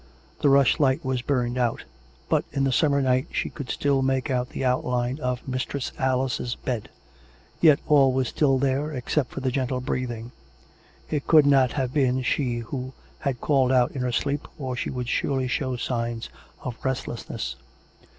The rushlight was burned out; but in the summer night she could still make out the outline of Mistress Alice's bed. Yet all was still there, except for the gentle breathing: it could not have been 414 COME RACK! COME ROPE! she who had called out in her sleep^ or she would surely show some signs of restlessness.